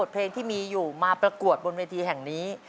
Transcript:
เพลงที่มีอยู่มาประกวดบนเวทีแห่งนี้